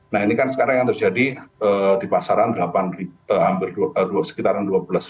nah ini kan sekarang yang terjadi di pasaran hampir sekitaran dua belas